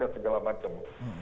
dan segala macam